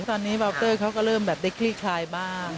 ตอนนี้เบาเตอร์เขาก็เริ่มแบบได้คลี่คลายบ้าง